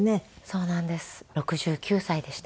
そうなんです。